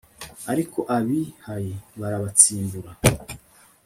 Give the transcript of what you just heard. ariko ab'i hayi barabatsimbura